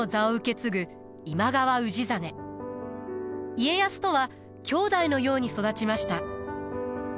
家康とは兄弟のように育ちました。